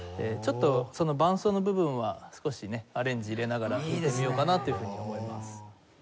ちょっと伴奏の部分は少しねアレンジ入れながら弾いてみようかなというふうに思います。